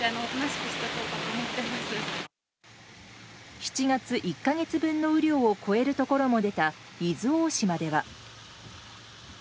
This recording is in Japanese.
７月１か月分の雨量を超えるところも出た伊豆大島では。